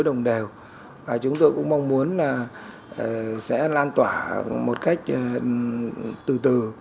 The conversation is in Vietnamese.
đồng đều và chúng tôi cũng mong muốn là sẽ lan tỏa một cách từ từ